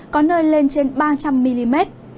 có nơi lên trên ba trăm linh mm